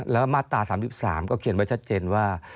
แล้วมาตรา๓๓ก็เขียนไว้ชัดเจนว่า